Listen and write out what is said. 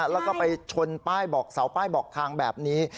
แล้วก็ไปชนป้ายบอกเสาป้ายบอกทางแบบนี้